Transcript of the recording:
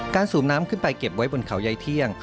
สูบน้ำขึ้นไปเก็บไว้บนเขาใยเที่ยง